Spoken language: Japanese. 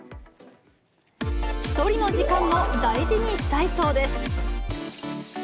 １人の時間も大事にしたいそうです。